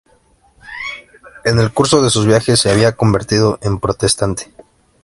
En el curso de sus viajes se había convertido en protestante.